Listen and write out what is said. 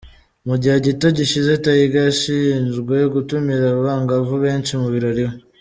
Mu gihe gito gishize, Tyga yashinjwe gutumira abangavu benshi mu birori iwe.